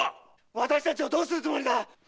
私たちをどうするつもりだ